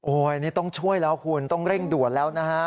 อันนี้ต้องช่วยแล้วคุณต้องเร่งด่วนแล้วนะฮะ